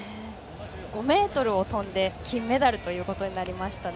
５ｍを跳んで金メダルということになりました